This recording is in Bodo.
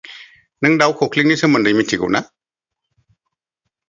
नों दाउ खख्लिंनि सोमोन्दै मिथिगौ ना?